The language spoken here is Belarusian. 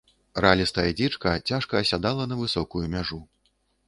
Ралістая дзічка цяжка асядала на высокую мяжу.